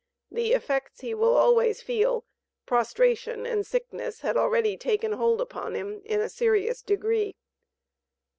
The effects he will always feel; prostration and sickness had already taken hold upon him in a serious degree.